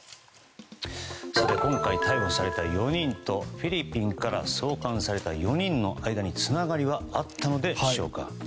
今回、逮捕された４人とフィリピンから送還された容疑者とのつながりはあったのでしょうか。